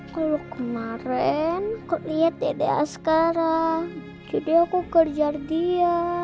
kalau kemarin aku lihat dedek asgara jadi aku kerja dia